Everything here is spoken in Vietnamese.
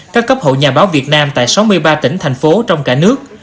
các cấp hội nhà báo việt nam tại sáu mươi ba tỉnh thành phố trong cả nước